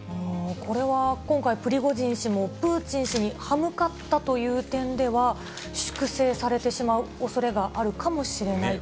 これは今回、プリゴジン氏もプーチン氏にはむかったという点では、粛清されてしまうおそれがあるかもしれないという。